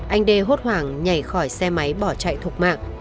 anh d hốt hoàng nhảy khỏi xe máy bỏ chạy thục mạng